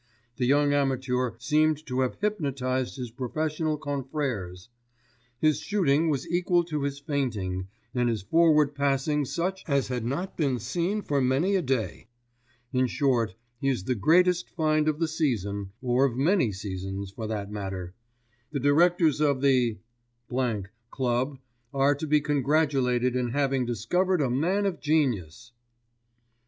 The young amateur seemed to have hypnotised his professional confrères. His shooting was equal to his feinting, and his forward passing such as has not been seen for many a day. In short he is the greatest find of the season, or of many seasons for that matter. The directors of the —— Club are to be congratulated in having discovered a man of genius."